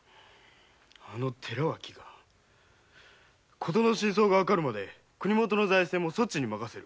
あの寺脇が事の真相がわかるまで国元の財政もそちに任せる。